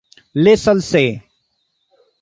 Les Salces